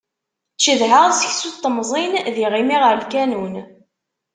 Cedhaɣ seksu n temẓin d yiɣimi ɣer lkanun.